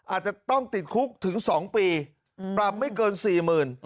อาจจะต้องติดคุกถึง๒ปีปรับไม่เกิน๔๐๐๐บาท